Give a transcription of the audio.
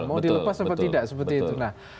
mau dilepas apa tidak seperti itu